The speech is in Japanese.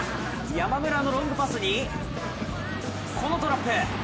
山村のロングパスにこのトラップ！